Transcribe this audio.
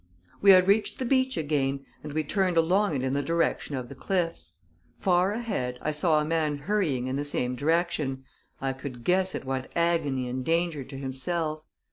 We had reached the beach again, and we turned along it in the direction of the cliffs. Far ahead, I saw a man hurrying in the same direction I could guess at what agony and danger to himself.